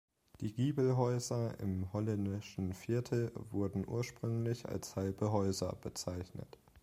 Die Giebelhäuser im Holländischen Viertel wurden ursprünglich als „halbe Häuser“ bezeichnet.